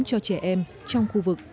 cho trẻ em trong khu vực